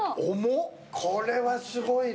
これはすごいな。